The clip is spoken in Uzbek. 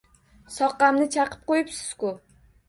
Soqqamni chaqib qo‘yibsiz-ku!